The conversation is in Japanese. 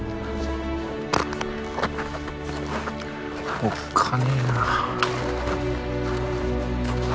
おっかねえな。